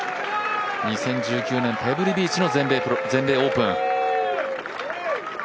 ２０１９年、ペブルビーチの全米オープン。